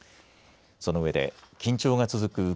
その上で緊張が続く